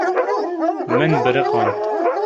Min biriqand.